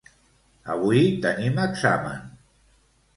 Avui tenim examen.